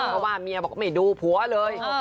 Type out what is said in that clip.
เพราะว่าเมียบอกไม่ดูผัวเลย